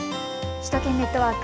首都圏ネットワーク。